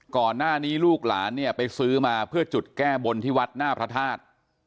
ก่อนหน้านี้ลูกหลานเนี่ยไปซื้อมาเพื่อจุดแก้บนที่วัดหน้าพระธาตุ